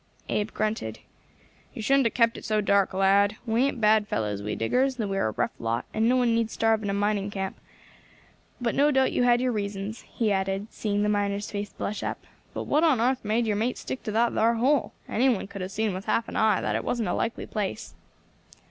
Abe grunted. "You shouldn't have kept it so dark, lad. We ain't bad fellows, we diggers, though we are a rough lot, and no one need starve in a mining camp. But no doubt you had your reasons," he added, seeing the miner's face blush up. "But what on arth made your mate stick to that thar hole? Any one could have seen with half an eye that it wasn't a likely place."